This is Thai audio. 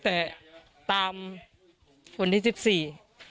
แต่ตามวันที่สิบสี่